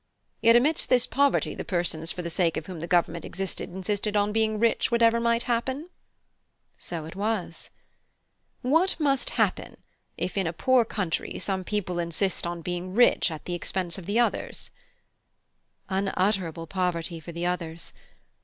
(H.) Yet amidst this poverty the persons for the sake of whom the government existed insisted on being rich whatever might happen? (I) So it was. (H.) What must happen if in a poor country some people insist on being rich at the expense of the others? (I) Unutterable poverty for the others.